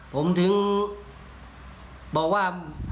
ผมถึงบอกว่า